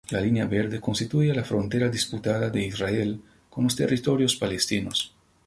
La Línea Verde constituye la frontera disputada de Israel con los territorios palestinos.